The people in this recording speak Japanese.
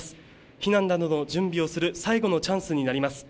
避難などの準備をする最後のチャンスになります。